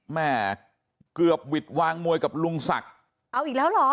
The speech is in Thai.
แม่เกือบหวิดวางมวยกับลุงศักดิ์เอาอีกแล้วเหรอ